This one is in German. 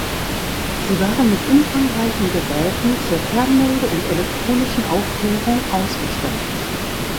Sie waren mit umfangreichen Geräten zur Fernmelde- und Elektronischen Aufklärung ausgestattet.